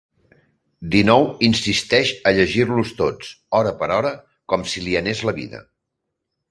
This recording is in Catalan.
Dinou insisteix a llegir-los tots, hora per hora, com si li anés la vida.